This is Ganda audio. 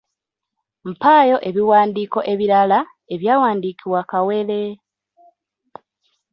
Mpaayo ebiwandiiko ebirala ebyawandiikibwa Kawere?